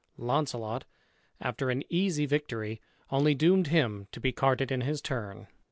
Launcelot, after an easy victory, only doomed him to be carted in his turn.